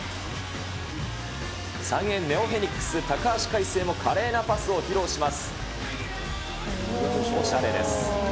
三遠ネオフェニックスの高橋かいせいも華麗なパスを披露します。